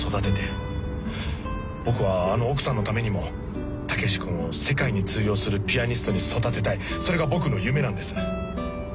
僕はあの奥さんのためにも武志君を世界に通用するピアニストに育てたいそれが僕の夢なんです。